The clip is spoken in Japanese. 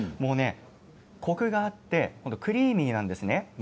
コクがあってクリーミーなんです。